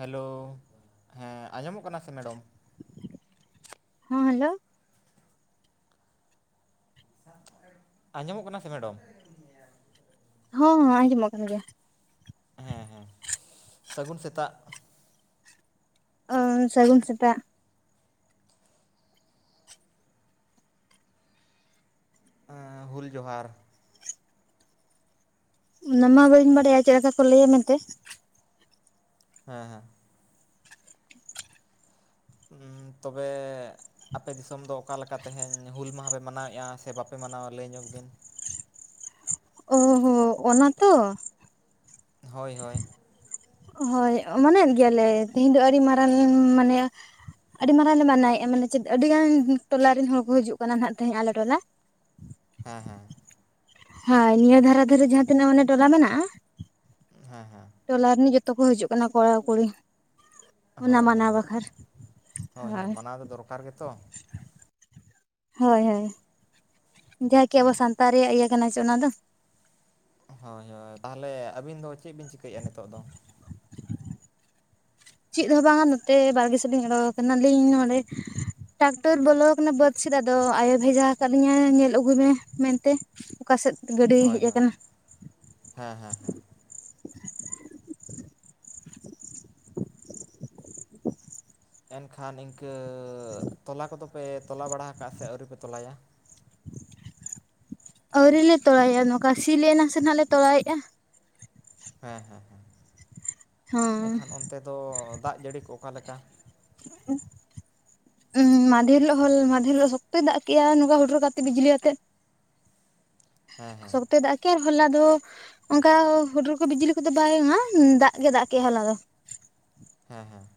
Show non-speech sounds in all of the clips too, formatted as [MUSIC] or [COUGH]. Hello ᱦᱮᱸ ᱟᱸᱡᱚᱢᱚᱜ ᱠᱟᱱᱟ ᱥᱮ ᱢᱮᱰᱚᱢ ᱾ ᱦᱮᱸ ᱦᱮᱞᱳ ᱟᱸᱡᱚᱢᱚᱜ ᱠᱟᱱᱟ ᱥᱮ ᱢᱮᱰᱚᱢ ᱾ ᱦᱚᱸ ᱟᱸᱡᱚᱢᱚᱜ ᱠᱟᱱ ᱜᱮᱭᱟ ᱾ ᱦᱮᱸ ᱦᱮᱸ ᱥᱟᱹᱜᱩᱱ ᱥᱮᱛᱟᱜ ᱾ ᱥᱟᱹᱜᱩᱱ ᱥᱮᱛᱟᱜ ᱦᱩᱞ ᱡᱚᱦᱟᱨ ᱚᱱᱟ ᱢᱟ ᱵᱟᱹᱧ ᱵᱟᱲᱟᱭᱟ ᱪᱮᱫ ᱞᱮᱠᱟ ᱠᱚ ᱞᱟᱹᱭᱟ ᱢᱮᱱᱛᱮ? ᱦᱮᱸ ᱦᱮᱸ ᱛᱚᱵᱮ ᱟᱯᱮ ᱫᱤᱥᱚᱢ ᱫᱚ ᱚᱠᱟ ᱞᱮᱠᱟ ᱛᱮᱦᱮᱧ ᱦᱩᱞ ᱢᱟᱦᱟ ᱯᱮ ᱢᱟᱱᱟᱣᱮᱫᱼᱟ ᱥᱮ ᱵᱟᱯᱮ ᱢᱟᱱᱟᱣᱟ ᱞᱟᱹᱭ ᱧᱚᱜᱽ ᱵᱤᱱ? ᱚ ᱦᱚᱸ ᱚᱱᱟ ᱛᱚ ᱦᱳᱭ ᱦᱳᱭ ᱦᱳᱭ ᱢᱚᱱᱟᱭᱮᱫ ᱜᱮᱭᱟᱞᱮ ᱛᱮᱦᱤᱧ ᱫᱚ ᱟᱹᱰᱤ ᱢᱟᱨᱟᱝ ᱢᱟᱱᱮ ᱟᱹᱰᱤ ᱢᱟᱨᱟᱝᱞᱮ ᱢᱟᱱᱟᱣᱮᱫᱼᱟ ᱢᱟᱱᱮ ᱪᱮᱫ ᱟᱹᱰᱤ ᱜᱟᱱ ᱴᱚᱞᱟᱮᱱ ᱦᱚᱲ ᱠᱚ ᱦᱤᱡᱩᱜ ᱠᱟᱱᱟ ᱦᱟᱸᱜ ᱛᱮᱦᱮᱸᱡ ᱟᱞᱮ ᱴᱚᱞᱟ ᱾ ᱦᱮᱸ ᱦᱮᱸ ᱦᱳᱭ ᱱᱤᱭᱟᱹ ᱫᱷᱟᱨᱮ ᱫᱷᱟᱨᱮ ᱡᱟᱦᱟᱸ ᱛᱤᱱᱟᱹᱜ ᱢᱟᱱᱮ ᱴᱚᱞᱟ ᱢᱮᱱᱟᱜᱼᱟ ᱾ ᱦᱮᱸ ᱦᱮᱸ ᱴᱚᱞᱟ ᱨᱤᱱ ᱡᱚᱛᱚ ᱠᱚ ᱦᱤᱡᱩᱜ ᱠᱟᱱᱟ ᱠᱚᱲᱟ ᱠᱩᱲᱤ ᱾ ᱚᱱᱟ ᱦᱳᱭ ᱢᱟᱱᱟᱣ ᱦᱳᱭ ᱵᱟᱠᱷᱨᱟ ᱦᱳᱭ ᱢᱟᱱᱟᱣ ᱫᱚ ᱫᱚᱨᱠᱟᱨ ᱜᱮᱛᱚ ᱦᱳᱭ ᱦᱳᱭ ᱡᱟᱦᱟᱭ ᱠᱤ ᱟᱵᱚ ᱥᱟᱱᱛᱟᱲ ᱨᱮᱭᱟᱜ ᱤᱭᱟᱹ ᱠᱟᱱᱟ ᱥᱮ ᱚᱱᱟ ᱫᱚ ᱦᱳᱭ ᱦᱳᱭ ᱛᱟᱦᱚᱞᱮ ᱟᱹᱵᱤᱱ ᱫᱚ ᱪᱮᱫ ᱵᱤᱱ ᱪᱤᱠᱟᱹᱭᱮᱫᱼᱟ ᱱᱤᱛᱚᱜ ᱫᱚ ᱪᱮᱫ ᱦᱚᱸ ᱵᱟᱝᱟ ᱱᱚᱛᱮ ᱵᱟᱨᱜᱮ ᱥᱮᱫ ᱞᱤᱧ ᱚᱰᱚᱜ ᱟᱠᱟᱱᱟᱞᱤᱧ ᱱᱚᱰᱮ ᱴᱟᱠᱴᱚᱨ ᱵᱚᱞᱚᱣ ᱟᱠᱟᱱᱟ ᱵᱟᱹᱫ ᱥᱮᱫ ᱟᱫᱚ ᱟᱭᱳ ᱵᱷᱮᱡᱟ ᱟᱠᱟᱫ ᱞᱤᱧᱟᱹ ᱧᱮᱞ ᱟᱹᱜᱩᱭ ᱢᱮ ᱢᱮᱱᱛᱮ ᱚᱠᱟᱥᱮᱫ ᱜᱟᱹᱰᱤ ᱦᱳᱭ ᱦᱮᱡ ᱦᱳᱭ ᱟᱠᱟᱱᱟ ᱦᱮᱸ ᱦᱮᱸ ᱦᱮᱸ ᱮᱱᱠᱷᱟᱱ ᱤᱱᱠᱟᱹ ᱛᱚᱞᱟ ᱠᱚᱫᱚᱯᱮ ᱛᱚᱞᱟ ᱵᱟᱲᱟ ᱠᱟᱜᱼᱟ ᱥᱮ ᱟᱹᱣᱨᱤᱯᱮ ᱛᱚᱞᱟᱭᱟ ᱟᱹᱣᱨᱤ ᱞᱮ ᱛᱚᱞᱟᱭᱟᱟ ᱱᱚᱝᱠᱟ ᱥᱤ ᱞᱮᱱᱟᱝ ᱥᱮ ᱱᱟᱜ ᱞᱮ ᱛᱚᱞᱟᱭᱮᱜᱼᱟ ᱦᱮᱸ ᱦᱮᱸᱦᱮᱸ ᱮᱱᱠᱷᱟᱱ ᱦᱮᱸ ᱚᱱᱛᱮ ᱫᱚ ᱫᱟᱜ ᱡᱟᱹᱲᱤ ᱠᱚ ᱚᱠᱟᱞᱮᱠᱟ [INAUDIBLE] ᱩᱸ ᱢᱟᱫᱷᱮᱨ ᱦᱤᱞᱳᱜ ᱦᱚ ᱢᱟᱫᱷᱮᱨ ᱦᱤᱞᱚᱜ ᱥᱚᱠᱛᱚᱭ ᱫᱟᱜ ᱠᱮᱜᱼᱟ ᱱᱚᱝᱠᱟ ᱦᱩᱴᱚᱨ ᱠᱟᱛᱮᱜ ᱵᱤᱡᱽᱞᱤ ᱟᱛᱮᱜ ᱦᱮᱸ ᱦᱮᱸ ᱥᱚᱠᱛᱚᱭ ᱫᱟᱜ ᱠᱮ ᱟᱨ ᱦᱚᱞᱟ ᱫᱚ ᱚᱱᱠᱟ ᱦᱩᱰᱩᱨ ᱠᱚ ᱵᱤᱡᱽᱞᱤ ᱠᱚᱫᱚ ᱵᱟᱭᱼᱟ ᱫᱟᱜ ᱜᱮ ᱫᱟᱜ ᱠᱮᱜᱼᱟᱭ ᱦᱚᱞᱟ ᱫᱚ ᱦᱮᱸ ᱦᱮᱸ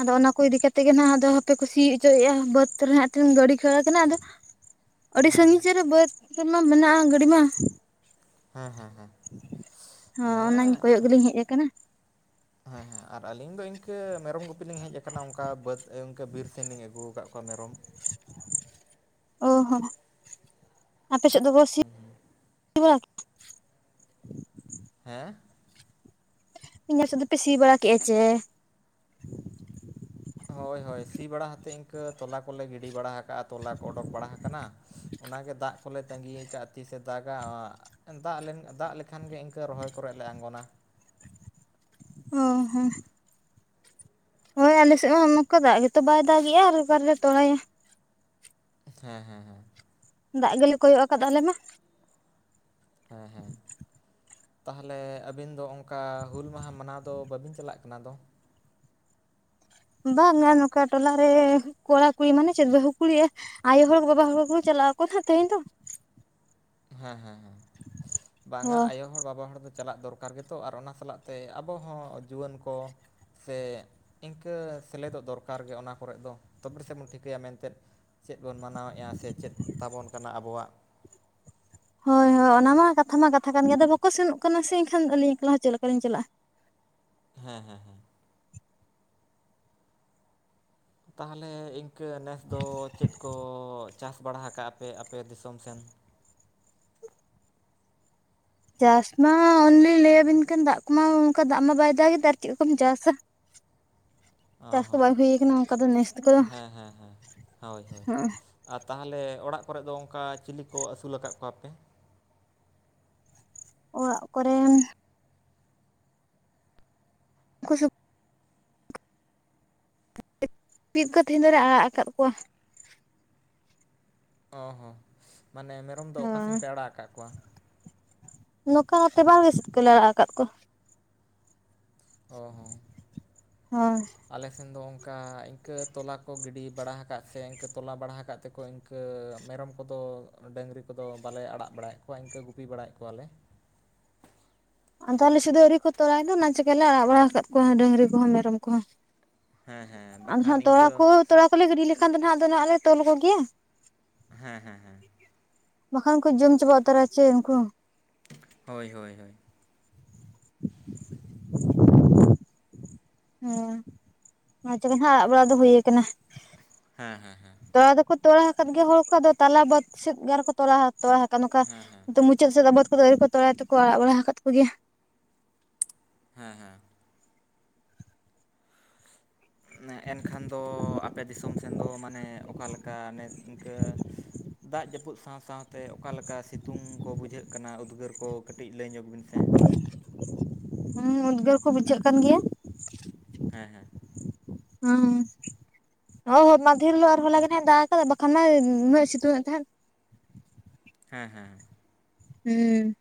ᱟᱫᱚ ᱚᱱᱟ ᱠᱚ ᱤᱫᱤ ᱠᱟᱛᱮᱜ ᱜᱮ ᱱᱟᱜ ᱟᱫᱚ ᱦᱟᱯᱮ ᱠᱚ ᱥᱤ ᱚᱪᱚᱭᱮᱜᱼᱟ ᱵᱟᱹᱫᱽ ᱨᱮ ᱜᱟᱹᱰᱤ ᱠᱷᱟᱹᱲ ᱟᱠᱟᱱᱟ ᱟᱫᱚ [INAUDIBLE] ᱟᱹᱰᱤ ᱥᱟᱺᱜᱤᱧ ᱥᱮᱫ‌ ᱨᱮ ᱵᱟᱹᱫᱽ ᱨᱮᱢᱟ ᱢᱮᱱᱟᱜᱼᱟ ᱜᱟᱹᱰᱤ ᱢᱟ ᱦᱮᱸ ᱦᱮᱸ ᱦᱮᱸ ᱦᱚᱸ ᱚᱱᱟ ᱦᱮᱸ ᱠᱚᱭᱚᱜ ᱜᱮᱞᱤᱧ ᱦᱮᱡ ᱟᱠᱟᱱᱟ ᱦᱮᱸ ᱦᱮᱸ ᱟᱨ ᱟᱹᱞᱤᱧ ᱫᱚ ᱤᱱᱠᱟᱹ ᱢᱮᱨᱚᱢ ᱜᱩᱯᱤ ᱞᱤᱧ ᱦᱮᱡ ᱟᱠᱟᱱᱟ ᱚᱱᱠᱟ ᱵᱟᱹᱫᱽ ᱤᱱᱠᱟᱹ ᱵᱤᱨ ᱥᱮᱱ ᱞᱤᱧ ᱟᱹᱜᱩ ᱟᱠᱟᱫ ᱠᱚᱣᱟ ᱢᱮᱨᱚᱢ ᱚ ᱦᱚᱸ ᱟᱯᱮ ᱥᱮᱫ ᱫᱚ ᱦᱩᱸ ᱦᱩᱸ [INAUDIBLE] ᱦᱮᱸ [UNINTELLIGIBLE] ᱥᱮᱫ ᱫᱚᱯᱮ ᱥᱤ ᱵᱟᱲᱟ ᱠᱮᱫᱼᱟ ᱪᱮ ᱦᱳᱭ ᱦᱳᱭ ᱥᱤ ᱵᱟᱲᱟ ᱠᱟᱛᱮᱫ ᱤᱱᱠᱟᱹ ᱛᱚᱞᱟ ᱠᱚᱞᱮ ᱜᱤᱰᱤ ᱵᱟᱲᱟ ᱟᱠᱟᱜ ᱛᱚᱞᱟ ᱠᱚ ᱚᱰᱚᱠ ᱵᱟᱲᱟ ᱟᱠᱟᱱᱟ ᱚᱱᱟᱜᱮ ᱫᱟᱜ ᱠᱚᱞᱮ ᱛᱟᱸᱜᱤᱭᱟ ᱠᱟᱫᱼᱟ ᱛᱤᱥᱮ ᱫᱟᱜᱟ ᱫᱟᱜ ᱞᱮᱱ ᱫᱟᱜ ᱞᱮᱠᱷᱟᱱ ᱜᱮ ᱤᱱᱠᱟᱹ ᱨᱚᱦᱚᱭ ᱠᱚᱨᱮᱜ ᱞᱮ ᱟᱬᱜᱚᱱᱟ ᱚ ᱦᱚᱸ ᱦᱳᱭ ᱟᱞᱮᱥᱮᱫ ᱦᱚᱸ ᱚᱝᱠᱟ ᱫᱟᱜ ᱜᱮᱛᱚ ᱵᱟᱭ ᱫᱟᱜᱮᱜᱼᱟ ᱟᱨ ᱚᱠᱟᱨᱮᱞᱮ ᱛᱚᱞᱟᱭᱟ ᱦᱮᱸ ᱦᱮᱸ ᱦᱮᱸ ᱫᱟᱜ ᱜᱮᱞᱮ ᱠᱚᱭᱚᱜ ᱟᱠᱟᱫ ᱟᱞᱮ ᱢᱟ ᱦᱮᱸ ᱦᱮᱸ ᱛᱟᱦᱚᱞᱮ ᱟᱹᱵᱤᱱ ᱫᱚ ᱚᱱᱠᱟ ᱦᱩᱞ ᱢᱟᱦᱟ ᱢᱟᱱᱟᱣ ᱫᱚ ᱵᱟᱹᱵᱤᱱ ᱪᱟᱞᱟᱜ ᱠᱟᱱᱟ ᱫᱚ ᱵᱟᱝᱟ ᱱᱚᱝᱠᱟ ᱴᱚᱞᱟ ᱨᱮ ᱠᱚᱲᱟ ᱠᱩᱲᱤ ᱢᱟᱱᱮ ᱪᱮᱫ ᱵᱟᱹᱦᱩ ᱠᱩᱲᱤᱼᱟ ᱟᱭᱳ ᱦᱚᱲ ᱵᱟᱵᱟ ᱦᱚᱲ ᱠᱚᱠᱚ ᱪᱟᱞᱟᱜ ᱟᱠᱚ ᱦᱟᱜ ᱛᱮᱦᱮᱧ ᱫᱚ ᱦᱮᱸ ᱦᱮᱸ ᱦᱮᱸ ᱵᱟᱝᱟ ᱦᱳᱭ ᱟᱭᱳ ᱦᱚᱲ ᱵᱟᱵᱟ ᱦᱚᱲ ᱫᱚ ᱪᱟᱞᱟᱜ ᱫᱚᱨᱠᱟᱨ ᱠᱟᱨ ᱜᱮᱛᱚ ᱟᱨ ᱚᱱᱟ ᱥᱟᱞᱟᱜ ᱛᱮ ᱟᱵᱚ ᱦᱚᱸ ᱡᱩᱣᱟᱹᱱ ᱠᱚ ᱥᱮ ᱤᱱᱠᱟᱹ ᱥᱮᱞᱮᱫᱚᱜ ᱫᱚᱨᱠᱟᱨ ᱜᱮ ᱚᱱᱟ ᱠᱚᱨᱮ ᱫᱚ ᱛᱚᱵᱮ ᱥᱮ ᱵᱚᱱ ᱴᱷᱤᱠᱟᱹᱭᱟ ᱢᱮᱱᱛᱮᱫ ᱪᱮᱫ ᱵᱚᱱ ᱢᱟᱱᱟᱣᱮᱫᱼᱟ ᱥᱮ ᱪᱮᱫ ᱛᱟᱵᱚᱱ ᱠᱟᱱᱟ ᱟᱵᱚᱣᱟᱜ ᱦᱳᱭ ᱦᱳᱭ ᱚᱱᱟ ᱢᱟ ᱠᱟᱛᱷᱟ ᱢᱟ ᱠᱟᱛᱷᱟ ᱠᱟᱱ ᱜᱮᱭᱟ ᱟᱫᱚ ᱵᱟᱠᱚ ᱥᱮᱱᱚᱜ ᱠᱟᱱᱟ ᱥᱮ ᱮᱱᱠᱷᱟᱱ ᱟᱹᱞᱤᱧ ᱮᱠᱞᱟ ᱦᱚᱸ ᱪᱮᱫ ᱞᱮᱠᱟ ᱞᱤᱧ ᱪᱟᱞᱟᱜᱼᱟ ᱦᱮᱸ ᱦᱮᱸ ᱦᱮᱸ ᱛᱟᱦᱚᱞᱮ ᱤᱱᱠᱟᱹ ᱱᱮᱥ ᱫᱚ ᱪᱮᱫ ᱠᱚ ᱪᱟᱥ ᱵᱟᱲᱟ ᱦᱟᱠᱟᱜᱼᱟ ᱯᱮ ᱟᱯᱮ ᱫᱤᱥᱚᱢ ᱥᱮᱱ ᱪᱟᱥ ᱢᱟ ᱚᱱᱮᱞᱤᱧ ᱞᱟᱹᱭᱟᱵᱤᱱ ᱠᱟᱱ ᱫᱟᱜ ᱠᱚᱢᱟ ᱚᱱᱠᱟ ᱫᱟᱜ ᱢᱟ ᱵᱟᱭ ᱫᱟᱜ ᱮᱫᱟ ᱟᱨ ᱪᱮᱫ ᱠᱚᱢ ᱪᱟᱥᱟ ᱚ ᱪᱟᱥ ᱠᱚ ᱦᱚᱸ ᱵᱟᱝ ᱦᱩᱭᱟᱠᱟᱱᱟ ᱚᱱᱠᱟ ᱛᱟ- ᱫᱚ ᱱᱮᱥ ᱠᱚᱫᱚ ᱦᱮᱸ ᱦᱮᱸ ᱦᱮᱸ ᱦᱳᱭ ᱦᱳᱭ ᱦᱮᱸ ᱟᱨ ᱛᱟᱦᱚᱞᱮ ᱚᱲᱟᱜ ᱠᱚᱨᱮ ᱫᱚ ᱚᱱᱠᱟ ᱪᱤᱞᱤ ᱠᱚ ᱟᱹᱥᱩᱞ ᱟᱠᱟᱫ ᱠᱚᱣᱟᱯᱮ ᱚᱲᱟᱜ ᱠᱚᱨᱮᱱ [UNINTELLIGIBLE] [UNINTELLIGIBLE] ᱠᱚ ᱛᱤᱦᱤᱧ ᱫᱚᱞᱮ ᱟᱲᱟᱜ ᱟᱠᱟᱫ ᱠᱚᱣᱟ ᱚ ᱦᱚᱸ ᱢᱟᱱᱮ ᱢᱮᱨᱚᱢ ᱫᱚ ᱚᱠᱟᱥᱮᱱ ᱦᱳᱭ ᱯᱮ ᱟᱲᱟᱜ ᱟᱠᱟᱫ ᱠᱚᱣᱟ ᱾ ᱱᱚᱝᱠᱟᱹᱹᱹᱹᱹᱹᱹ [UNINTELLIGIBLE] ᱥᱮᱫ ᱠᱚ ᱞᱟᱲᱟ ᱟᱠᱟᱫ ᱠᱚᱣᱟ ᱚ ᱦᱚ ᱦᱳᱭ ᱟᱞᱮᱥᱮᱱ ᱫᱚ ᱚᱱᱠᱟ ᱤᱱᱠᱟᱹ ᱛᱚᱞᱟ ᱠᱚ ᱜᱤᱰᱤ ᱵᱟᱲᱟ ᱟᱠᱟᱫ ᱥᱮ ᱤᱱᱠᱟᱹ ᱛᱚᱞᱟ ᱵᱟᱲᱟ ᱟᱠᱟᱫ ᱛᱮᱠᱚ ᱤᱱᱠᱟᱹ ᱤᱱᱠᱟᱹ ᱢᱮᱨᱚᱢ ᱠᱚᱫᱚ ᱰᱟᱹᱝᱨᱤ ᱠᱚᱫᱚ ᱵᱟᱞᱮ ᱟᱲᱟᱜ ᱵᱟᱲᱟᱭᱮᱫ ᱠᱚᱣᱟ ᱤᱱᱠᱟᱹ ᱜᱩᱯᱤ ᱵᱟᱲᱟᱭᱮᱫ ᱠᱚᱣᱟᱞᱮ ᱟᱫᱚ ᱟᱞᱮᱥᱮᱫ ᱫᱚ ᱟᱹᱣᱨᱤ ᱠᱚ ᱛᱚᱨᱟᱭ ᱫᱚ ᱚᱱᱟ ᱪᱤᱠᱟᱹᱞᱮ ᱟᱲᱟᱜ ᱵᱟᱲᱟ ᱟᱠᱟᱫ ᱠᱚᱣᱟ ᱰᱟᱝᱨᱤ ᱠᱚᱦᱚᱸ ᱢᱮᱨᱚᱢ ᱠᱚᱦᱚᱸ ᱦᱮᱸ ᱦᱮᱸ ᱟᱫᱚ ᱵᱟᱠᱷᱟᱱ ᱦᱟᱸᱜ ᱛᱚᱲᱟ ᱠᱚ ᱤᱱᱠᱟᱹ ᱛᱚᱲᱟ ᱠᱚᱞᱮ ᱜᱤᱰᱤ ᱞᱮᱠᱷᱟᱱ ᱫᱚ ᱦᱟᱸᱜ ᱟᱫᱚ ᱦᱟᱸᱜ ᱞᱮ ᱛᱚᱞ ᱠᱚᱜᱮᱭᱟ ᱦᱮᱸ ᱦᱮᱸ ᱦᱮᱸ ᱵᱟᱠᱷᱟᱱ ᱠᱚ ᱡᱚᱢ ᱪᱟᱵᱟ ᱩᱛᱟᱨᱟ ᱪᱮ ᱩᱱᱠᱩ ᱦᱳᱭ ᱦᱳᱭ ᱦᱳᱭ [UNINTELLIGIBLE] ᱦᱮ ᱟᱪᱚᱜᱮ ᱦᱟᱜ ᱟᱲᱟᱜ ᱵᱟᱲᱟᱜ ᱫᱚ ᱦᱩᱭ ᱠᱟᱱᱟ ᱦᱮᱸ ᱦᱮᱸ ᱦᱮᱸ ᱛᱚᱲᱟ ᱫᱚᱠᱚ ᱛᱚᱨᱟ ᱟᱠᱟᱫ ᱜᱮᱭᱟ ᱦᱚᱲ ᱠᱚᱫᱚ ᱛᱟᱞᱟ ᱵᱟᱫ ᱥᱮᱫ ᱜᱟᱱ ᱨᱮᱠᱚ ᱛᱚᱞᱟ ᱦᱟᱠᱟᱜ ᱛᱚ ᱟᱠᱟᱫ ᱱᱚᱝᱠᱟᱹ ᱦᱮᱸ ᱦᱮᱸ [UNINTELLIGIBLE] ᱢᱩᱪᱟᱹᱫ ᱥᱮᱫ ᱵᱟᱛ ᱠᱚᱫᱚ ᱟᱣᱨᱤ ᱠᱚ ᱛᱚᱲᱟ ᱛᱮᱠᱚ ᱟᱲᱟᱜ ᱵᱟᱲᱟ ᱟᱠᱟᱫ ᱠᱚ ᱜᱮᱭᱟ ᱦᱮᱸ ᱦᱮᱸ ᱮᱱᱠᱷᱟᱱ ᱫᱚ ᱟᱯᱮ ᱫᱤᱥᱚᱢ ᱥᱮᱱ ᱫᱚ ᱢᱟᱱᱮ ᱚᱠᱟ ᱞᱮᱠᱟ ᱤᱱᱠᱟᱹ ᱫᱟᱜ ᱡᱟᱹᱯᱩᱫ ᱥᱟᱶ ᱥᱟᱶ ᱛᱮ ᱚᱠᱟᱞᱮᱠᱟ ᱥᱤᱛᱩᱝ ᱠᱚ ᱵᱩᱡᱷᱟᱹᱜ ᱠᱟᱱᱟ ᱩᱫᱽᱜᱟᱹᱨ ᱠᱚ ᱠᱟᱹᱴᱤᱡ ᱞᱟᱹᱭ ᱧᱚᱜᱽ ᱵᱤᱱ ᱥᱮ ᱦᱮᱸ ᱩᱫᱽᱜᱟᱹᱨ ᱠᱚ ᱵᱩᱡᱷᱟᱹᱜ ᱠᱟᱱ ᱜᱮᱭᱟ ᱦᱮᱸ ᱦᱮᱸ ᱦᱩᱸ ᱦᱚ ᱦᱚᱸ ᱢᱟᱫᱷᱮᱨ ᱦᱤᱞᱳ ᱟᱨ ᱦᱚᱸᱞᱟ ᱜᱮᱱᱟᱜ ᱫᱟᱜ ᱟᱠᱟᱫᱟ ᱵᱟᱠᱷᱟᱱ ᱢᱟ ᱩᱱᱟᱹᱜ ᱥᱤᱛᱩᱝ ᱮᱫ ᱛᱟᱦᱮᱸᱫ ᱦᱮᱸ ᱦᱮᱸ ᱦᱩ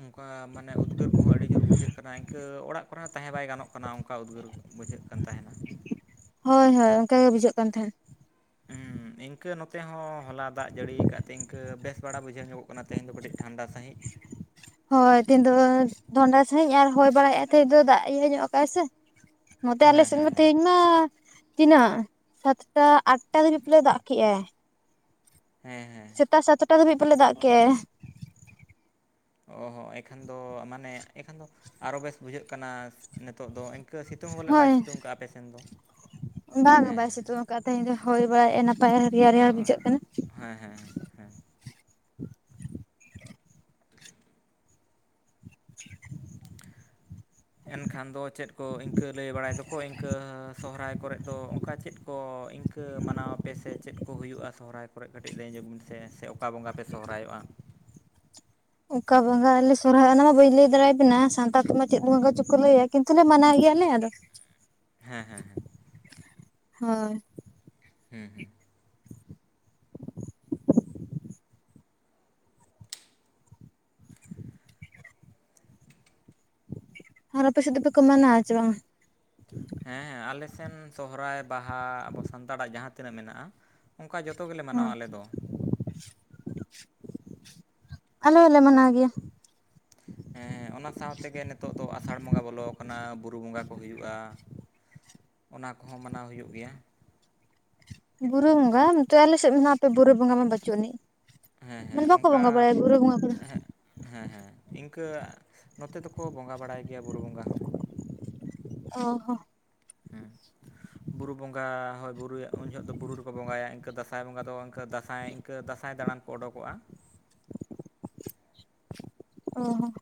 ᱚᱱᱠᱟ ᱢᱟᱱᱮ ᱩᱫᱽᱜᱟᱹᱨ ᱠᱚᱦᱚᱸ ᱟᱹᱰᱤ ᱡᱳᱨ ᱵᱩᱡᱷᱟᱹᱜ ᱠᱟᱱᱟ ᱤᱱᱠᱟᱹ ᱚᱲᱟᱜ ᱠᱚᱨᱮ ᱦᱚᱸ ᱛᱟᱦᱮᱸ ᱵᱟᱭ ᱜᱟᱱᱚᱜ ᱠᱟᱱᱟ ᱚᱱᱠᱟ ᱩᱫᱽᱜᱟᱹᱨ ᱵᱩᱡᱷᱟᱹᱜ ᱠᱟᱱ ᱛᱟᱦᱮᱱᱟ ᱾ ᱦᱳᱭ ᱦᱳᱭ ᱚᱱᱠᱟ ᱜᱮ ᱵᱩᱡᱷᱟᱹᱜ ᱠᱟᱱ ᱛᱟᱦᱮᱱᱟ ᱾ ᱦᱩᱸ ᱤᱱᱠᱟᱹ ᱱᱚᱛᱮ ᱦᱚᱸ ᱦᱚᱞᱟ ᱫᱟᱜ ᱡᱟᱹᱲᱤᱭᱟ ᱟᱠᱟᱫ ᱛᱮ ᱤᱱᱠᱟᱹ ᱵᱮᱥ ᱵᱟᱲᱟ ᱵᱩᱡᱷᱟᱹᱣ ᱧᱚᱜ ᱠᱟᱱᱟ ᱛᱮᱦᱮᱧ ᱫᱚ ᱠᱟᱹᱴᱤᱡ ᱴᱷᱟᱱᱰᱟ ᱥᱟᱺᱦᱤᱡ ᱦᱳᱭ ᱫᱤᱱ ᱫᱚ ᱰᱷᱚᱱᱰᱟ ᱥᱟᱺᱦᱤᱡ ᱟᱨ ᱦᱚᱭ ᱵᱟᱲᱟᱭᱮᱫ ᱛᱟᱦᱮᱸ ᱫᱚ ᱫᱟᱜ ᱤᱭᱟᱹ ᱧᱚᱜ ᱠᱟᱜᱟᱭ ᱥᱮ ᱱᱚᱛᱮ ᱟᱞᱮ ᱦᱮᱸ ᱥᱮᱫ ᱦᱮᱸ ᱢᱟ ᱦᱮᱸ ᱛᱮᱦᱮᱧ ᱢᱟᱼᱼ ᱛᱤᱱᱟᱹᱜ ᱥᱟᱛᱴᱟ ᱟᱴᱴᱟ ᱫᱷᱟᱹᱵᱤᱡ ᱯᱟᱞᱮ ᱫᱟᱜ ᱠᱮᱫᱮᱜᱼᱟ᱾ ᱦᱮᱸ ᱦᱮᱸ᱾ ᱥᱮᱛᱟᱜ ᱥᱟᱛᱴᱟ ᱫᱷᱟᱹᱵᱤᱡ ᱯᱟᱞᱮ ᱫᱟᱜ ᱠᱮᱜᱼᱟ᱾ ᱚ ᱦᱚᱸ ᱮᱱᱠᱷᱟᱱ ᱫᱚ ᱮᱱᱠᱷᱟᱱ ᱫᱚ ᱟᱨᱚ ᱵᱮᱥ ᱵᱩᱡᱷᱟᱹᱜ ᱠᱟᱱᱟ ᱱᱤᱛᱚᱜ ᱫᱚᱼᱼ ᱥᱤᱛᱩᱝ ᱵᱚᱞᱮ ᱵᱟᱭ ᱥᱤᱛᱩᱝ ᱟᱠᱟᱫᱼᱟ ᱟᱯᱮ ᱥᱮᱱ ᱫᱚ᱾ ᱵᱟᱝᱼᱟ ᱦᱮᱸ ᱵᱟᱭ ᱦᱮᱸ ᱥᱤᱛᱩᱝ ᱟᱠᱟᱫᱟ ᱛᱮᱦᱮᱧ ᱫᱚ ᱦᱚᱭ ᱵᱟᱲᱟᱭᱮᱫᱼᱟ ᱱᱟᱯᱟᱭ ᱨᱮᱭᱟᱲ ᱨᱮᱭᱟᱲ ᱦᱳᱭ ᱵᱩᱡᱷᱟᱹᱜ ᱠᱟᱱᱟ᱾ ᱦᱮᱸ ᱦᱮᱸ᱾ [UNINTELLIGIBLE] ᱦᱮᱸ᱾ [UNINTELLIGIBLE] ᱼᱼ [UNINTELLIGIBLE] ᱼᱼ ᱮᱱᱠᱷᱟᱱ ᱫᱚ ᱪᱮᱫ ᱠᱚ ᱤᱱᱠᱟᱹ ᱞᱟᱹᱭ ᱵᱟᱲᱟᱭ ᱫᱚᱠᱚ ᱤᱱᱠᱟᱹ ᱥᱚᱦᱨᱟᱭᱼᱼ ᱠᱚᱨᱮᱫ ᱫᱚ ᱚᱱᱠᱟ ᱪᱮᱫ ᱠᱚ ᱤᱱᱠᱟᱹ ᱢᱟᱱᱟᱣ ᱟᱯᱮ ᱥᱮ ᱪᱮᱫ ᱠᱚ ᱦᱩᱭᱩᱜᱼᱟ ᱥᱚᱦᱨᱟᱭ ᱠᱚᱨᱮ ᱠᱟᱹᱴᱤᱡ ᱞᱟᱹᱭ ᱧᱚᱜᱽ ᱵᱤᱱ ᱥᱮ ᱼᱼᱼ ᱚᱠᱟ ᱵᱚᱸᱜᱟ ᱯᱮ ᱥᱚᱦᱚᱨᱟᱭᱚᱜᱼᱟ? ᱚᱱᱠᱟ ᱵᱚᱸᱜᱟ ᱟᱞᱮ ᱥᱚᱨᱦᱟᱭ ᱚᱱᱟ ᱢᱟ ᱵᱟᱹᱧ ᱞᱟᱹᱭ ᱫᱟᱲᱮᱭᱟᱵᱮᱱᱟ᱾ ᱥᱟᱱᱛᱟᱲ ᱛᱮᱢᱟ ᱪᱮᱫ ᱵᱚᱸᱜᱟ ᱪᱚᱠᱚ ᱞᱟᱹᱭᱟ ᱠᱤᱱᱛᱩ ᱞᱮ ᱢᱟᱱᱟᱣ ᱜᱮᱭᱟᱞᱮ ᱟᱫᱚᱼᱼ ᱦᱮᱸ ᱦᱮᱸ ᱦᱮᱸ᱾ ᱦᱳᱭ᱾ ᱦᱮᱸ ᱦᱮᱸ᱾ ᱟᱨ ᱟᱯᱮ ᱥᱮᱫ ᱫᱚᱠᱚ ᱢᱟᱱᱟᱣ ᱟᱥᱮ ᱵᱟᱝᱟ? ᱦᱮᱸ ᱟᱞᱮ ᱥᱮᱱ ᱥᱚᱦᱚᱨᱟᱭ ᱵᱟᱦᱟ ᱟᱵᱚ ᱥᱟᱱᱛᱟᱲᱟᱜ ᱡᱟᱦᱟᱸ ᱛᱤᱱᱟᱹᱜ ᱢᱮᱱᱟᱜᱼᱟᱼᱼ ᱚᱱᱠᱟ ᱡᱚᱛᱚ ᱜᱮᱞᱮ ᱦᱳᱭ ᱢᱟᱱᱟᱣᱟ ᱟᱞᱮ ᱫᱚ᱾ ᱟᱞᱮ ᱦᱚᱞᱮ ᱢᱟᱱᱟᱣ ᱜᱮᱭᱟ᱾ ᱦᱮᱸ ᱚᱱᱟ ᱥᱟᱶᱛᱮ ᱜᱮ ᱱᱤᱛᱚᱜ ᱫᱚ ᱟᱥᱟᱲ ᱵᱚᱸᱜᱟ ᱵᱚᱞᱚ ᱟᱠᱟᱱᱟ ᱵᱩᱨᱩ ᱵᱚᱸᱜᱟᱼᱼ ᱠᱚ ᱦᱩᱭᱩᱜᱼᱟ, ᱚᱱᱟ ᱠᱚᱦᱚᱸ ᱢᱟᱱᱟᱣ ᱦᱩᱭᱩᱜ ᱜᱮᱭᱟ᱾ ᱵᱩᱨᱩ ᱵᱚᱸᱜᱟ, ᱱᱚᱛᱮ ᱟᱞᱮ ᱥᱮᱫ ᱢᱟ ᱟᱯᱮ ᱵᱩᱨᱩ ᱵᱚᱸᱜᱟ ᱢᱟ ᱵᱟᱹᱪᱩᱜ ᱟᱹᱱᱤᱡ᱾ ᱦᱮᱸ ᱦᱮᱸ ᱢᱟᱱᱮ ᱵᱟᱠᱚ ᱚᱱᱠᱟ ᱵᱚᱸᱜᱟ ᱵᱟᱲᱟᱭᱟ ᱵᱩᱨᱩ ᱵᱚᱸᱜᱟ ᱠᱚᱫᱚ ᱦᱮᱸ ᱦᱮᱸ ᱦᱮᱸ ᱤᱱᱠᱟᱹ ᱱᱚᱛᱮ ᱫᱚᱠᱚ ᱵᱚᱸᱜᱟ ᱵᱟᱲᱟᱭ ᱜᱮᱭᱟ ᱵᱩᱨᱩ ᱵᱚᱸᱜᱟ ᱦᱚᱸ᱾ ᱚᱦᱚ ᱦᱚᱸ ᱾ ᱵᱩᱨᱩ ᱵᱚᱸᱜᱟ ᱦᱚᱭ ᱵᱩᱨᱩᱭᱮᱫ ᱩᱱᱡᱷᱚᱜ ᱫᱚ, ᱵᱩᱨᱩ ᱨᱮᱠᱚ ᱵᱚᱸᱜᱟᱭᱟ ᱾ ᱤᱱᱠᱟᱹ ᱫᱟᱸᱥᱟᱭ ᱵᱚᱝᱜᱟ ᱫᱚ ᱤᱱᱠᱟᱹ ᱫᱟᱸᱥᱟᱭᱼᱼ ᱤᱱᱠᱟᱹ ᱫᱟᱥᱟᱸᱭ ᱫᱟᱬᱟᱱ ᱠᱚ ᱚᱰᱚᱠᱚᱜᱼᱟ᱾ ᱚ ᱦᱚ ᱾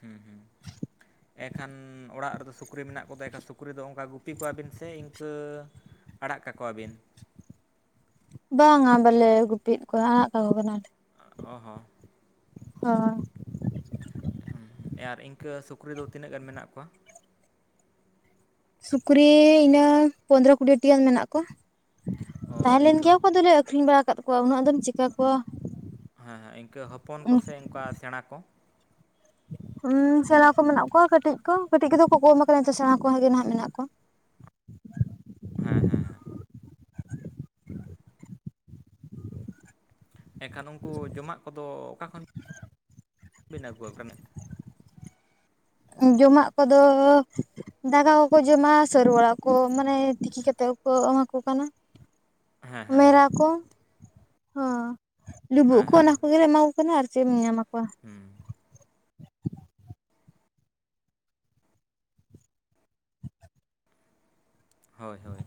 ᱦᱮᱸ ᱦᱮᱸ᱾ ᱮᱱᱠᱷᱟᱱ ᱚᱲᱟᱜ ᱨᱮᱫᱚ ᱥᱩᱠᱨᱤ ᱢᱮᱱᱟᱜ ᱠᱚᱫᱚ ᱮᱱᱠᱷᱟᱱ ᱥᱩᱠᱨᱤ ᱫᱚ ᱚᱱᱠᱟ ᱜᱩᱯᱤ ᱠᱚᱣᱟᱵᱤᱱ ᱥᱮ ᱤᱱᱠᱟᱹ ᱼᱼ ᱟᱲᱟᱜ ᱠᱟᱠᱚᱣᱟᱵᱤᱱ᱾ ᱵᱟᱝ ᱟ ᱵᱟᱞᱮ ᱜᱩᱯᱤᱭᱮᱫ ᱠᱚᱣᱟ ᱟᱲᱟᱜ ᱠᱟᱠᱚ ᱠᱟᱱᱟᱞᱮ ᱾ ᱚ ᱦᱚ ᱾ ᱚᱦᱚ ᱦᱚᱸᱜ-ᱚ ᱟᱨ ᱤᱱᱠᱟᱹ ᱥᱩᱠᱨᱤ ᱫᱚ ᱛᱤᱱᱟᱹᱜ ᱜᱟᱱ ᱢᱮᱱᱟᱜ ᱠᱚᱣᱟ? ᱥᱩᱠᱨᱤ ᱤᱱᱟᱹ ᱯᱚᱸᱫᱽᱨᱚ ᱠᱩᱰᱤᱭᱮ ᱴᱤ ᱜᱟᱱ ᱢᱮᱱᱟᱜ ᱠᱚᱣᱟ᱾ ᱚ ᱛᱟᱦᱮᱸᱞᱮᱱ ᱤᱱᱠᱟᱹ ᱜᱮᱭᱟ ᱠᱚ ᱦᱚᱯᱚᱱ ᱟᱫᱚᱞᱮ ᱟᱠᱷᱨᱤᱧ ᱵᱟᱲᱟ ᱟᱠᱟᱫ ᱠᱚᱣᱟ ᱩᱱᱟᱹᱜ ᱫᱚ ᱾ ᱦᱮᱸ ᱦᱮᱸ ᱤᱱᱠᱟᱹ ᱦᱚᱯᱚᱱ ᱠᱚᱥᱮ ᱚᱱᱠᱟ ᱥᱮᱬᱟ ᱠᱚ? ᱦᱚᱸ ᱥᱮᱬᱟ ᱠᱚ ᱢᱮᱱᱟᱜ ᱠᱚᱣᱟ, ᱠᱟᱹᱴᱤᱡ ᱠᱚ ᱠᱟᱹᱴᱤᱡ ᱠᱚᱫᱚ ᱠᱚ ᱠᱚᱢ ᱟᱠᱟᱱᱟ ᱥᱮᱬᱟ ᱠᱚᱜᱮ ᱱᱟᱜ ᱢᱮᱱᱟᱜ ᱠᱚᱣᱟ ᱾ ᱦᱮᱸ ᱦᱮᱸ ᱦᱮᱸ᱾ ᱮᱱᱠᱷᱟᱱ ᱩᱱᱠᱩ ᱡᱚᱢᱟᱜ ᱠᱚᱫᱚ ᱚᱠᱟ ᱠᱷᱚᱱ ᱵᱤᱱ ᱟᱹᱜᱩ ᱟᱠᱚ ᱠᱟᱱᱟ? ᱡᱚᱢᱟᱜ ᱠᱚᱫᱚ ᱼᱼ ᱫᱟᱠᱟ ᱠᱚᱠᱚ ᱡᱚᱢᱟ ᱥᱟᱹᱨᱩ ᱚᱲᱟᱜ ᱠᱚ ᱢᱟᱱᱮ ᱛᱤᱠᱤ ᱠᱟᱛᱮᱫ ᱠᱚ ᱮᱢᱟᱠᱚ ᱠᱟᱱᱟ᱾ ᱦᱮᱸ ᱦᱮᱸ ᱦᱮᱸ ᱢᱮᱨᱟ ᱠᱚ ᱦᱚᱸ, ᱞᱩᱵᱩᱜ ᱦᱮᱸ ᱠᱚ ᱦᱮᱸ ᱚᱱᱟ ᱠᱚᱜᱮᱞᱮ ᱮᱢᱟᱠᱚᱼᱼ ᱠᱟᱱᱟ ᱟᱨ ᱪᱮᱫ ᱮᱢ ᱧᱟᱢ ᱟᱠᱚᱣᱟ? ᱦᱚᱸ ᱦᱚᱭ ᱦᱚᱭ,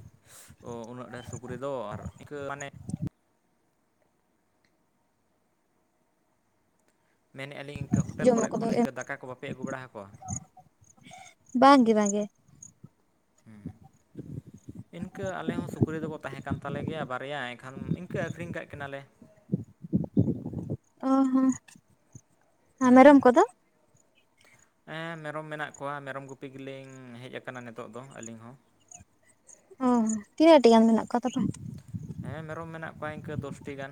ᱚ ᱩᱱᱟᱹᱜ ᱰᱷᱮᱨ ᱥᱩᱠᱨᱤ ᱫᱚ ᱟᱨ ᱤᱱᱠᱟᱹ ᱢᱟᱱᱮ ᱢᱮᱱᱮᱜ ᱟᱹᱞᱤᱧ ᱤᱱᱠᱟᱹ ᱦᱚᱴᱮᱞ ᱠᱚᱨᱮ ᱡᱚᱢᱟᱜ ᱠᱚᱫᱚ ᱠᱷᱚᱱ ᱱᱤᱝᱠᱟᱹ ᱫᱟᱠᱟ ᱠᱚ ᱵᱟᱯᱮ ᱟᱹᱜᱩ ᱵᱟᱲᱟ ᱟᱠᱚᱣᱟ? ᱵᱟᱝ ᱜᱮ ᱵᱟᱝ ᱜᱮ ᱦᱚᱸ ᱤᱱᱠᱟᱹ ᱟᱞᱮ ᱦᱚᱸ ᱥᱩᱠᱨᱤ ᱫᱚᱠᱚ ᱛᱟᱦᱮᱸ ᱠᱟᱱ ᱛᱟᱞᱮ ᱜᱮᱭᱟ ᱵᱟᱨᱭᱟ ᱮᱠᱷᱟᱱ ᱤᱱᱠᱟᱹ ᱟᱹᱠᱷᱨᱤᱧ ᱠᱟᱜ ᱠᱤᱱᱟᱞᱮ ᱚ ᱦᱚᱸ ᱟᱨ ᱦᱮᱸ ᱦᱮᱸ ᱢᱮᱨᱚᱢ ᱠᱚᱫᱚ ᱦᱮᱸ ᱢᱮᱨᱚᱢ ᱢᱮᱱᱟᱜ ᱠᱚᱣᱟ ᱢᱮᱨᱚᱢ ᱜᱩᱯᱤ ᱜᱮᱞᱤᱧ ᱦᱮᱡ ᱟᱠᱟᱱᱟ ᱱᱤᱛᱚᱜ ᱫᱚ ᱟᱹᱞᱤᱧ ᱦᱚᱸ ᱚᱦᱚ, ᱛᱤᱱᱟᱹᱜ ᱴᱤ ᱜᱟᱱ ᱢᱮᱱᱟᱜ ᱠᱚ ᱛᱟᱯᱮ? ᱦᱮᱸ ᱢᱮᱨᱚᱢ ᱢᱮᱱᱟᱜ ᱠᱚᱣᱟ ᱤᱱᱠᱟᱹ ᱫᱚᱥᱴᱤ ᱜᱟᱱ᱾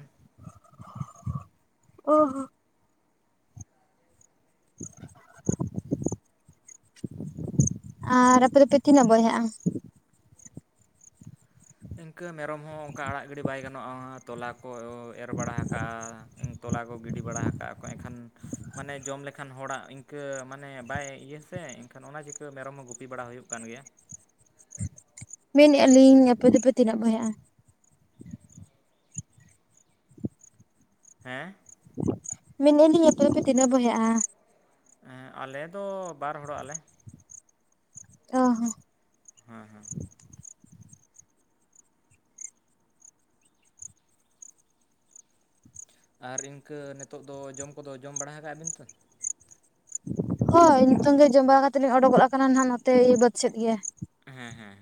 ᱚᱦᱚ ᱟᱨ ᱟᱯᱮ ᱫᱚᱯᱮ ᱛᱤᱱᱟᱹᱜ ᱵᱚᱭᱦᱟᱜᱼᱟ? ᱤᱱᱠᱟᱹ ᱢᱮᱨᱚᱢ ᱦᱚᱸ ᱚᱝᱠᱟ ᱟᱲᱟᱜ ᱜᱤᱰᱤ ᱵᱟᱭ ᱜᱟᱱᱚᱜᱼᱟ ᱛᱚᱞᱟ ᱠᱚ ᱮᱨ ᱵᱟᱲᱟ ᱦᱩᱭᱩᱜ, ᱛᱚᱞᱟ ᱠᱚ ᱜᱤᱰᱤ ᱵᱟᱲᱟ ᱟᱠᱟᱜ ᱟᱠᱚ ᱮᱠᱷᱟᱱᱼᱼ ᱢᱟᱱᱮ ᱡᱚᱢ ᱞᱮᱠᱷᱟᱱ ᱦᱚᱲᱟᱜ ᱤᱱᱠᱟᱹ ᱢᱟᱱᱮ ᱵᱟᱭ ᱤᱭᱟᱹ ᱥᱮ ᱮᱱᱠᱷᱟᱱ ᱚᱱᱟ ᱪᱤᱠᱟᱹ ᱢᱮᱨᱚᱢ ᱦᱚᱸ ᱜᱩᱯᱤ ᱵᱟᱲᱟ ᱦᱩᱭᱩᱜ ᱠᱟᱱ ᱜᱮᱭᱟ ᱾ ᱢᱮᱱᱮᱜ ᱟᱹᱞᱤᱧ ᱟᱯᱮ ᱫᱚᱯᱮ ᱛᱤᱱᱟᱹᱜ ᱵᱚᱭᱦᱟᱜᱼᱟ? ᱦᱮᱸ ᱢᱮᱱᱮᱜ ᱟᱹᱞᱤᱧ ᱟᱯᱮ ᱫᱚᱯᱮ ᱛᱤᱱᱟᱹᱜ ᱵᱚᱭᱦᱟᱜᱼᱟ? ᱦᱮᱸ ᱟᱞᱮ ᱫᱚ ᱵᱟᱨ ᱦᱚᱲᱚᱜ ᱟᱞᱮ ᱚ ᱦᱚ ᱦᱮᱸ ᱦᱮᱸ ᱟᱨ ᱤᱱᱠᱟᱹ ᱱᱤᱛᱚᱜ ᱫᱚ ᱡᱚᱢ ᱠᱚᱫᱚ ᱡᱚᱢ ᱵᱟᱲᱟ ᱟᱠᱟᱜ ᱵᱤᱱ ᱛᱚ ᱦᱳᱭ ᱱᱤᱛᱚᱝ ᱜᱮ ᱡᱚᱢ ᱵᱟᱲᱟ ᱠᱟᱛᱮᱫ ᱞᱤᱧ ᱚᱰᱚᱠ ᱟᱠᱟᱱᱟ ᱱᱟᱜ ᱱᱚᱛᱮ ᱵᱟᱹᱫᱽ ᱥᱮᱫ ᱜᱮ ᱾ ᱦᱮᱸ ᱦᱮᱸ ᱦᱮᱸ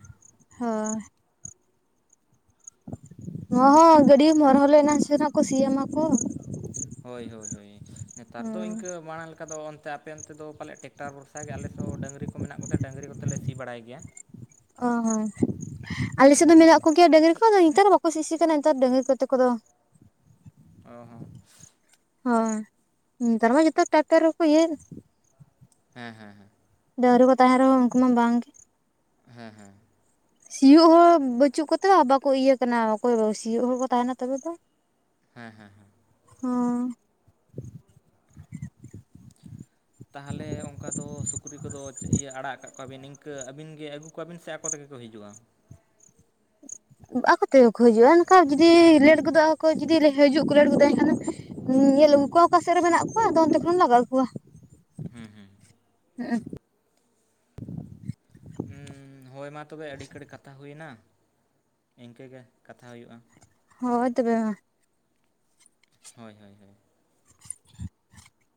ᱦᱳᱭ ᱦᱚᱸ ᱦᱚᱸ ᱜᱟᱹᱰᱤᱢ ᱦᱚᱨᱦᱚ ᱞᱮᱱ ᱱᱟᱥᱮ ᱱᱟᱜ ᱠᱚ ᱥᱤ ᱟᱢᱟ ᱠᱚ ᱾ ᱦᱳᱭ ᱦᱳᱭ ᱦᱳᱭ ᱱᱮᱛᱟᱨ ᱫᱚ ᱦᱩᱸ ᱤᱱᱠᱟᱹ ᱢᱟᱲᱟᱝ ᱞᱮᱠᱟ ᱫᱚ ᱚᱱᱛᱮ ᱟᱯᱮ ᱚᱱᱛᱮ ᱫᱚ ᱯᱟᱞᱮᱜ ᱴᱮᱠᱴᱟᱨ ᱵᱷᱚᱨᱥᱟ ᱜᱮ ᱟᱞᱮᱥᱮᱜ ᱦᱚᱸ ᱰᱟᱹᱝᱨᱤ ᱠᱚ ᱢᱮᱱᱟᱜ ᱠᱚᱛᱮ ᱰᱟᱹᱝᱨᱤ ᱠᱚᱛᱮ ᱞᱮ ᱥᱤ ᱵᱟᱲᱟᱭ ᱜᱮᱭᱟ ᱾ ᱚ ᱦᱚᱸ ᱟᱞᱮ ᱥᱮᱜ ᱫᱚ ᱦᱩᱸ᱾ ᱢᱮᱱᱟᱜ ᱠᱚᱜᱮᱭᱟ ᱰᱟᱹᱝᱨᱤ ᱠᱚᱫᱚ ᱱᱮᱛᱟᱨ ᱵᱟᱠᱚ ᱥᱤᱥᱤ ᱠᱟᱱᱟ ᱱᱮᱛᱟᱨ ᱰᱟᱹᱝᱨᱤ ᱠᱚᱛᱮ ᱠᱚᱫᱚ ᱾ ᱚᱦ ᱦᱚᱸ ᱱᱮᱛᱟᱨ ᱢᱟ ᱡᱚᱛᱚ ᱴᱟᱠᱴᱟᱨ ᱨᱮᱠᱚ ᱤᱭᱟᱹᱭ ᱦᱮᱸ ᱦᱮᱸ ᱦᱮᱸ ᱰᱟᱹᱝᱨᱤ ᱠᱚ ᱛᱟᱦᱮᱱ ᱨᱮᱦᱚᱸ ᱩᱱᱠᱩ ᱢᱟ ᱵᱟᱝᱜᱮ ᱦᱮᱸ ᱦᱮᱸ ᱥᱤᱭᱳᱜ ᱦᱚ ᱵᱟᱪᱩᱜ ᱠᱚᱛᱮ ᱦᱚᱸ ᱵᱟᱠᱚ ᱤᱭᱟᱹ ᱠᱟᱱᱟ ᱚᱠᱚᱭ ᱥᱤᱭᱳᱜ ᱦᱚᱲ ᱠᱚ ᱛᱟᱦᱮᱱᱟ ᱛᱚᱵᱮ ᱛᱚ ᱾ ᱦᱮᱸ ᱦᱮᱸ ᱦᱮᱸ ᱦᱮᱸ ᱛᱟᱦᱮᱞᱮ ᱚᱝᱠᱟ ᱫᱚ ᱥᱩᱠᱨᱤ ᱠᱚᱫᱚ ᱤᱭᱟᱹ ᱟᱲᱟᱜ ᱠᱟᱜ ᱠᱚᱣᱟᱵᱤᱱ ᱱᱤᱝᱠᱟᱹ ᱟᱹᱵᱤᱱ ᱜᱮ ᱟᱹᱜᱩ? ᱠᱚᱣᱟᱵᱤᱱ ᱥᱮ ᱟᱠᱚ ᱛᱮᱜᱮ ᱠᱚ ᱦᱤᱡᱩᱜᱼᱟ? ᱟᱠᱚ ᱛᱮᱜᱮ ᱠᱚ ᱦᱤᱡᱩᱜᱼᱟ ᱚᱱᱠᱟ ᱡᱩᱫᱤ ᱞᱮᱴ ᱜᱚᱫᱚᱜ ᱟᱠᱚ ᱡᱩᱫᱤ ᱦᱤᱡᱩᱜ ᱠᱚ ᱞᱮᱴ ᱜᱚᱫᱚᱜᱼᱟ ᱮᱱᱠᱷᱟᱱ ᱧᱮᱞ ᱟᱹᱜᱩ ᱠᱚᱣᱟ ᱚᱠᱟ ᱥᱮᱜ ᱨᱮ ᱢᱮᱱᱟᱜ ᱠᱚᱣᱟ ᱟᱫᱚ ᱚᱱᱛᱮ ᱠᱷᱚᱱ ᱞᱟᱜᱟ ᱟᱜᱩ ᱠᱚᱣᱟ ᱾ ᱦᱩᱸ ᱦᱩᱸ [INAUDIBLE] ᱦᱳᱭ ᱢᱟ ᱛᱚᱵᱮ ᱟᱹᱰᱤ ᱠᱟᱹᱲᱤᱜ ᱠᱟᱛᱷᱟ ᱦᱳᱭᱱᱟ ᱾ ᱤᱱᱠᱟᱹ ᱜᱮ ᱠᱟᱛᱷᱟ ᱦᱳᱭᱳᱜᱼᱟ ᱾ ᱦᱳᱭ ᱛᱚᱵᱮ ᱢᱟ ᱾ ᱦᱳᱭ ᱦᱳᱭ ᱦᱳᱭ [UNINTELLIGIBLE]